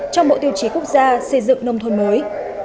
trong bộ tiêu chí quốc gia xây dựng nông thôn mới